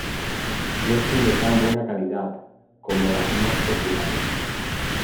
No son de tan buena calidad como las más populares.